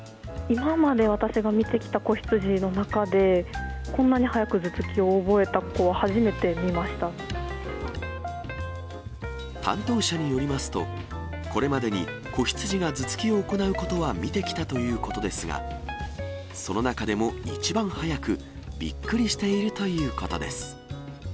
今まで私が見てきた子ヒツジの中で、こんなに早く頭突きを覚えた担当者によりますと、これまでに子ヒツジが頭突きを行うことは見てきたということですが、その中でも一番早く、びっくりしているということです。